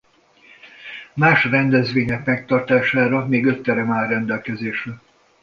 Más rendezvények megtartására még öt terem áll rendelkezésre.